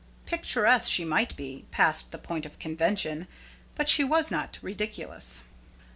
Picturesque she might be, past the point of convention, but she was not ridiculous.